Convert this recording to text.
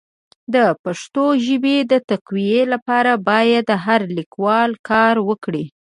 د پښتو ژبي د تقويي لپاره باید هر لیکوال کار وکړي.